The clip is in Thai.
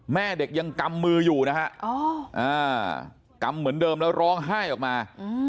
แม่เด็กยังกำมืออยู่นะฮะกำเหมือนเดิมแล้วร้องไห้ออกมา